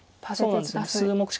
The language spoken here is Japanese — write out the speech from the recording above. そうなんですよね